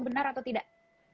benar atau tidak